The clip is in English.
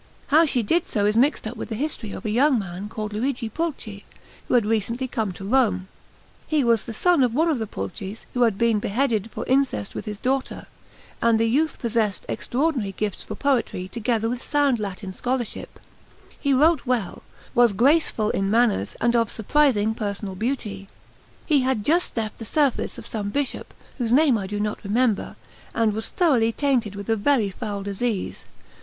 How she did so is mixed up with the history of a young man called Luigi Pulci, who had recently come to Rome. He was the son of one of the Pulcis, who had been beheaded for incest with his daughter; and the youth possessed extraordinary gifts for poetry together with sound Latin scholarship; he wrote well, was graceful in manners, and of surprising personal beauty; he had just left the service of some bishop, whose name I do not remember, and was thoroughly tainted with a very foul disease.